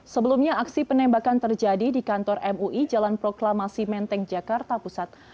sebelumnya aksi penembakan terjadi di kantor mui jalan proklamasi menteng jakarta pusat